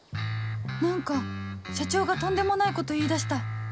何か社長がとんでもないこと言いだした